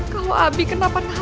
kalau abi kenapa napa